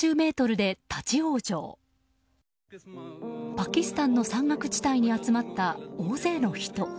パキスタンの山岳地帯に集まった大勢の人。